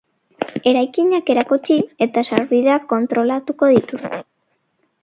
Eraikinak erakutsi eta sarbideak kontrolatuko dituzte.